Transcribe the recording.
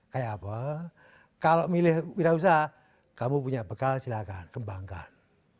kayak apa kalau milih wira usaha kamu punya bekal silahkan kembangkan